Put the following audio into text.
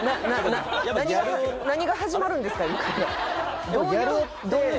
な何が始まるんですか？